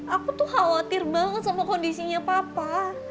aku tuh khawatir banget sama kondisinya papa